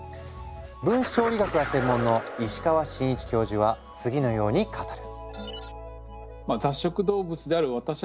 分子調理学が専門の石川伸一教授は次のように語る。